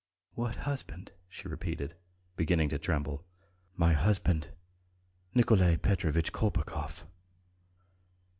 "What husband?" she repeated, beginning to tremble. "My husband, ... Nikolay Petrovitch Kolpakov."